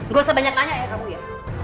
gak usah banyak nanya ya kamu ya